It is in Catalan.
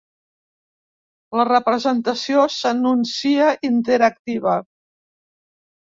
La representació s'anuncia interactiva.